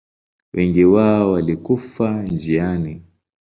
Wengi wao walikufa njiani.